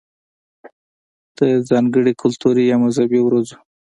ده ځانګړې کلتوري يا مذهبي ورځو